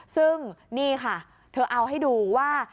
ซึ่งนี่ค่ะเธอเอาให้ดูว่า